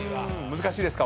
難しいですか？